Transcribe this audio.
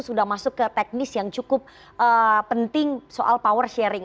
sudah masuk ke teknis yang cukup penting soal power sharing